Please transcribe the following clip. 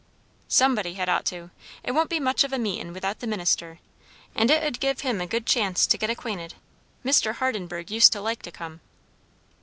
"Somebody had ought to. It won't be much of a meetin' without the minister; and it 'ud give him a good chance to get acquainted. Mr. Hardenburgh used to like to come."